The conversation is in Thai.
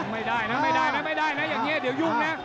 ไม่ได้นะไม่ได้นะไม่ได้นะอย่างนี้เดี๋ยวยุ่งนะ